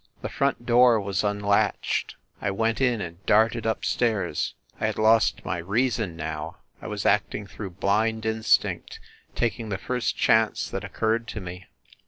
The front door was unlatched. I went in and darted up stairs. ... I had lost my reason, now. ... I was acting through blind in stinct ... taking the first chance that occurred to me.